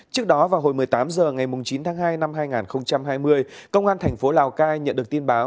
trước đó vào hồi một mươi tám h ngày chín tháng hai năm hai nghìn hai mươi công an thành phố lào cai nhận được tin báo